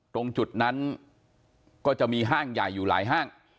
ตรงจุดนั้นก็จะมีห้างใหญ่อยู่หลายห้าง